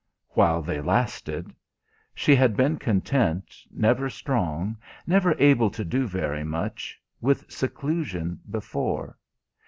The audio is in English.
While they lasted! She had been content, never strong, never able to do very much, with seclusion before.